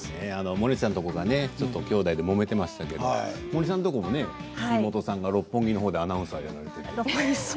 モネちゃんのところもきょうだいでもめていましたけれども森さんも妹さんが六本木のほうでアナウンサーをされていて。